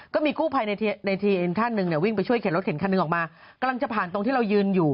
ก่อนที่ปัอะเฉดก็ไว่คุณไกรท่านมา